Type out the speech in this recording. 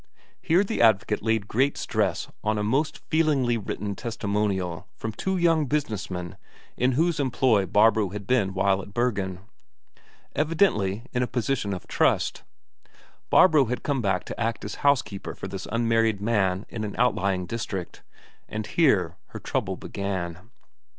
Here the advocate laid great stress on a most feelingly written testimonial from two young business men in whose employ Barbro had been while at Bergen evidently in a position of trust. Barbro had come back to act as housekeeper for this unmarried man in an outlying district. And here her trouble began.